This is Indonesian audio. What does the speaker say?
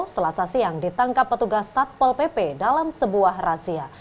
selasa siang ditangkap petugas satpol pp dalam sebuah razia